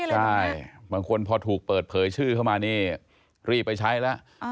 ใช่บางคนพอถูกเปิดเผยชื่อเข้ามานี่รีบไปใช้แล้ว